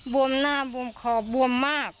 วมหน้าบวมคอบวมมาก